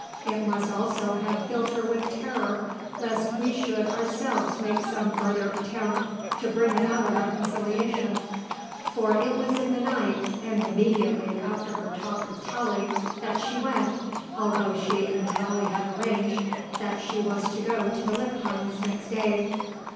It must also have filled her with terror lest we should ourselves make some further attempt to bring about a reconciliation; for it was in the night, and immediately after her talk with Tallie, that she went, although she and Tallie had arranged that she was to go to the Lippheims next day.